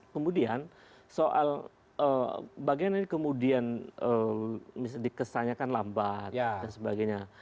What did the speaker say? kemudian soal bagian ini kemudian bisa dikesanyakan lambat dan sebagainya